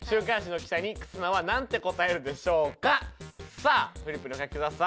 さあフリップにお書きください。